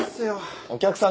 お客さん